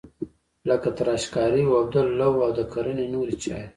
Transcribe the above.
لکه تراشکاري، اوبدل، لو او د کرنې نورې چارې.